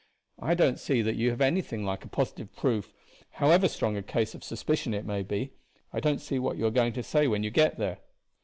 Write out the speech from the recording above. But I don't see that you have anything like a positive proof, however strong a case of suspicion it may be. I don't see what you are going to say when you get there."